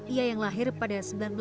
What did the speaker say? ia yang lahir pada